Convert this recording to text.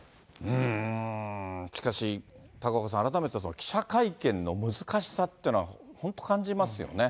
しかし、高岡さん、改めて記者会見の難しさっていうのは本当、感じますよね。